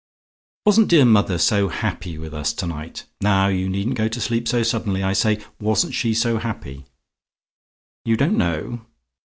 "Wasn't dear mother so happy with us to night? Now, you needn't go to sleep so suddenly. I say, wasn't she so happy? "YOU DON'T KNOW?